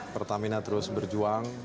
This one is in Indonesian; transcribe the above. pertamina terus berjuang